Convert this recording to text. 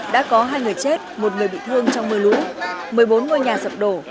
đã có hai người chết một người bị thương trong mưa lũ một mươi bốn ngôi nhà sập đổ